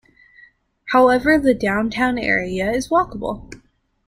However the downtown area is walkable.